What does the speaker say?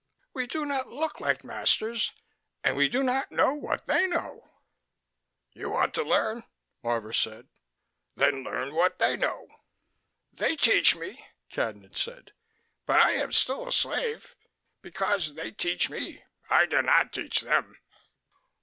"We do not look like masters, and we do not know what they know." "You want to learn," Marvor said. "Then learn what they know." "They teach me," Cadnan said. "But I am still a slave, because they teach me. I do not teach them."